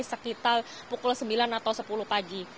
sekitar pukul sembilan atau sepuluh pagi